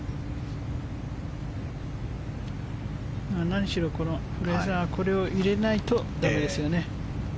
何しろ古江さんはこれを入れないとだめですよね。